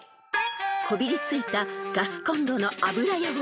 ［こびりついたガスコンロの油汚れ］